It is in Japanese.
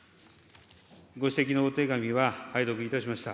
ご指摘のお手紙は拝読いたしました。